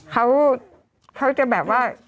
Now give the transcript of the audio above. เขาจะแบบว่า